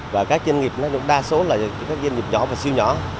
và các doanh nghiệp đa số là các doanh nghiệp nhỏ và siêu nhỏ